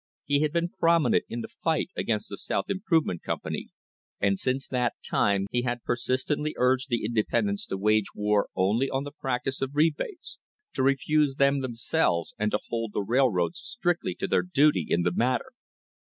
He had been prominent in the fight against the South Improvement Company, and since that time he had persist ently urged the independents to wage war only on the practice of rebates — to refuse them themselves and to hold the rail roads strictly to their duty in the matter.